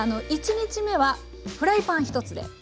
１日目はフライパン１つで。